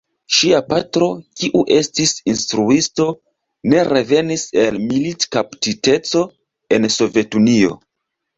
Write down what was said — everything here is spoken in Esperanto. Ŝia patro, kiu estis instruisto, ne revenis el militkaptiteco en Sovetunio.